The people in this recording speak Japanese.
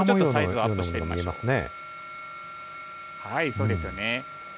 はい，そうですよね。